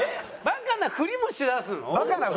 バカなふりもしだすの？